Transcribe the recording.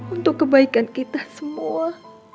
untuk kebaikan kita semua